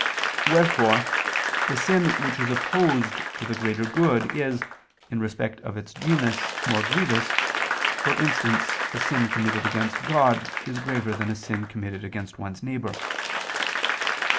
Wherefore the sin which is opposed to the greater good is, in respect of its genus, more grievous, for instance a sin committed against God is graver than a sin committed against one's neighbor.